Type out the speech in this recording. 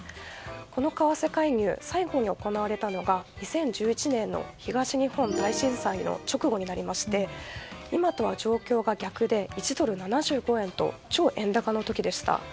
この為替介入最後に行われたのは２０１１年の東日本大震災の直後になりまして今とは状況が逆で１ドル７５円と超円高の時でした。